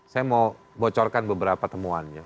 saya mau bocorkan beberapa temuannya